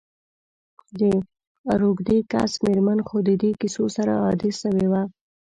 د روږدې کس میرمن خو د دي کیسو سره عادي سوي وه.